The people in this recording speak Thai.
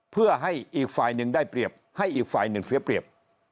เพื่อให้อีกฝ่ายหนึ่งได้เปรียบให้อีกฝ่ายหนึ่งเสียเปรียบ